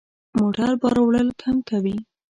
موټر بار وړل هم کوي.